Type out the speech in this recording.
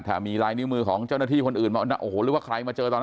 ถ้ามีลายนิ้วมือของเจ้าหน้าที่คนอื่นมาโอ้โหหรือว่าใครมาเจอตอน